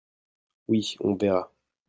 Oui, on me verra.